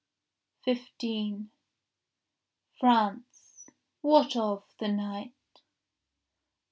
15 France, what of the night?